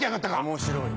面白い。